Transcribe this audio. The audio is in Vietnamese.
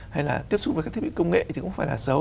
hay là tiếp xúc với các thiết bị công nghệ thì cũng phải là xấu